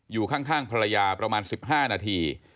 อยู่ข้างภรรยาประมาณ๑๕นาที